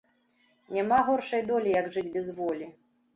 Няма горшай долі, як жыць без волі